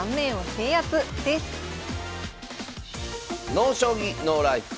「ＮＯ将棋ＮＯＬＩＦＥ」